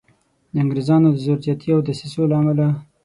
د انګریزانو د زور زیاتي او دسیسو له امله.